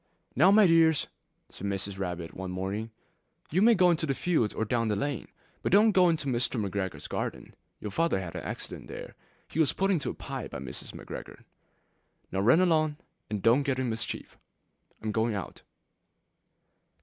'Now my dears,' said old Mrs. Rabbit one morning, 'you may go into the fields or down the lane, but don't go into Mr. McGregor's garden: your Father had an accident there; he was put in a pie by Mrs. McGregor.' 'Now run along, and don't get into mischief. I am going out.'